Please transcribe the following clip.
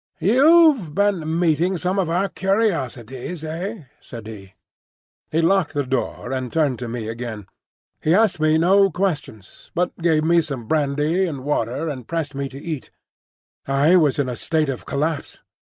"You've been meeting some of our curiosities, eh?" said he. He locked the door and turned to me again. He asked me no questions, but gave me some more brandy and water and pressed me to eat. I was in a state of collapse.